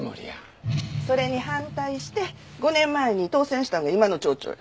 それに反対して５年前に当選したんが今の町長や。